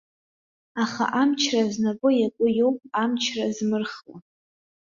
Аха амчра знапы иаку иоуп амчра змырхуа.